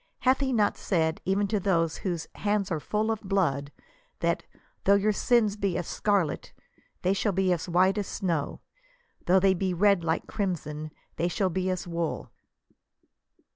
Hath he not said, even to those whose "hands are full of blood," that •< though your sins be as scarlet* they shall be as white as snow; though they be red like crim son, they shall be as wool